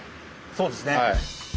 そうですね。